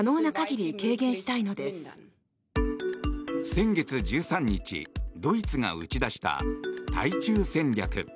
先月１３日ドイツが打ち出した対中戦略。